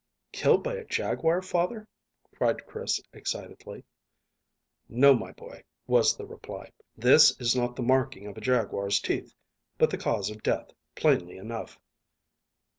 "Killed by a jaguar, father?" cried Chris excitedly. "No, my boy," was the reply; "this is not the marking of a jaguar's teeth, but the cause of death, plainly enough."